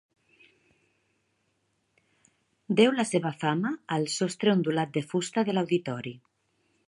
Deu la seva fama al sostre ondulat de fusta de l'auditori.